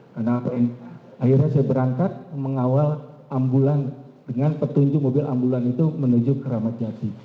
karena akhirnya saya berangkat mengawal ambulan dengan petunjuk mobil ambulan itu menuju keramat jalan